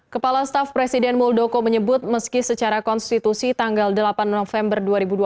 kepala staf presiden muldoko menyebut meski secara konstitusi tanggal delapan november dua ribu dua puluh